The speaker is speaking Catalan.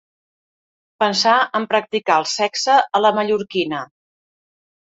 Pensar en practicar el sexe a la mallorquina.